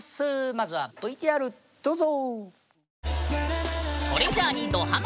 まずはＶＴＲどうぞ！